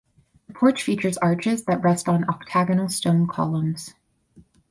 The porch features arches that rest on octagonal stone columns.